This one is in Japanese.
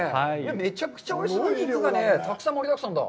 めちゃくちゃおいしそうな肉がたくさん盛りだくさんだ。